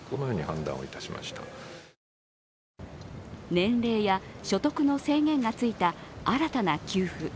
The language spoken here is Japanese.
年齢や所得の制限がついた新たな給付。